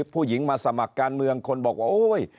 ผู้หญิงมาสมัครการเมืองคนบอกว่าโอ๊ย